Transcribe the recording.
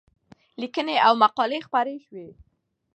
لیکنې او مقالې خپرې شوې.